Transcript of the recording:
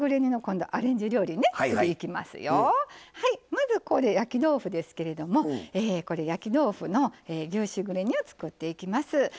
まずこれ焼き豆腐ですけれども焼き豆腐の牛しぐれ煮を作っていきます。